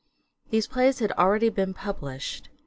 These plays had already been published.